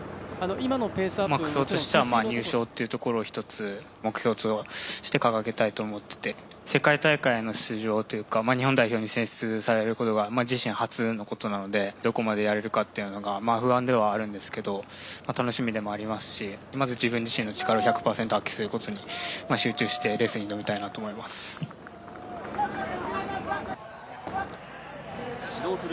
僕としては入賞というところを一つの目標として掲げたいと思っていて世界大会の出場というか日本代表に選出されることが自身初のことなのでどこまでやれるかっていうことが不安ではあるんですけど楽しみでもありますしまず自分自身の力を１００％発揮するところに集中をしてレースに、挑みたいなと思っております。